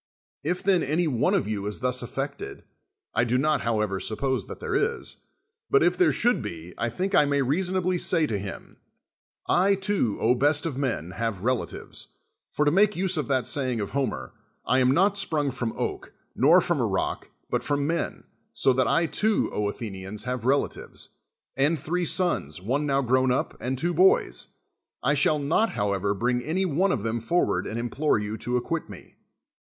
If then any one of yoa 74 SOCRATES is thus affected — I do not, hoAvever, suppose that there is — but if there should be, I think I may rcasonablj' say to him :'' I too, best of men, have relatives; for to make use of that saying of Homer, I am not sprung from an oak, nor from a rock, but from men, so that I too, Athenians, have relatives, and three sons, one now grown up, and two boys ; I shall not, how ever, bring any one of them forward and im ]>lore you to acquit me."